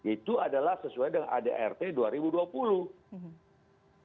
itu adalah sesuai dengan adrt dua ribu dua puluh